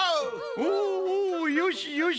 おおおおよしよし！